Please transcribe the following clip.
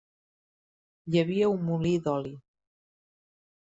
Hi havia un molí d'oli.